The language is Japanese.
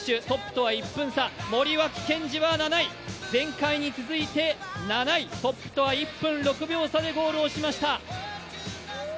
トップとは１分差、森脇健児は７位前回に続いて７位、トップとは１分６秒差でゴールをしました。